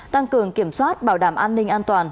tăng cường kiểm soát bảo đảm an ninh an toàn